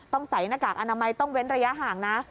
ใส่หน้ากากอนามัยต้องเว้นระยะห่างนะ